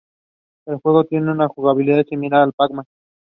He was replaced as manager by Armin Veh.